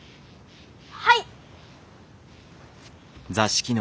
はい！